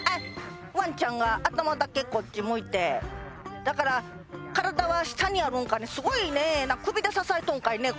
ワンちゃんが頭だけこっち向いてだから体は下にあるんかねすごいね首で支えとんかいね？